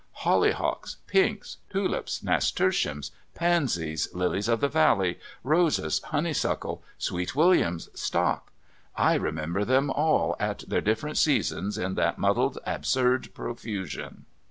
Hollyhocks, pinks, tulips, nasturtiums, pansies, lilies of the valley, roses, honeysuckle, sweet williams, stocks I remember them all at their different seasons in that muddled, absurd profusion.